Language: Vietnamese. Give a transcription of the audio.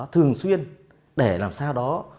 thường xuyên để làm sao đó